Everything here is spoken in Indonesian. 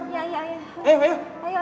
ya udah ayo sekarang